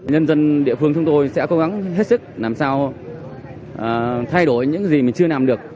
nhân dân địa phương chúng tôi sẽ cố gắng hết sức làm sao thay đổi những gì mình chưa làm được